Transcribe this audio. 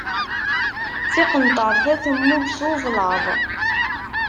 Tiqenṭert-a temmug s ublaḍ.